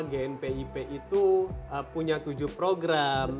gnpip itu punya tujuh program